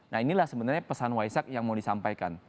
nah inilah sebenarnya pesan waisak yang mau disampaikan